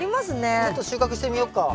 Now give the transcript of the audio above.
ちょっと収穫してみようか。